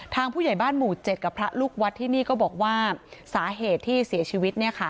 ผู้ใหญ่บ้านหมู่๗กับพระลูกวัดที่นี่ก็บอกว่าสาเหตุที่เสียชีวิต